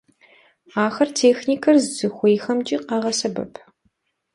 Ахэр техникэр зыхуейхэмкӀи къагъэсэбэп.